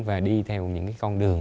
và đi theo những con đường